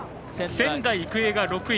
仙台育英が６位。